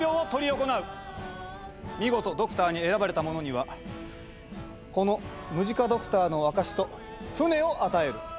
見事ドクターに選ばれた者にはこのムジカドクターの証しと船を与える。